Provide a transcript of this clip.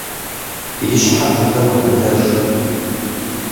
И щхьэр быдэу гъэбыдэж.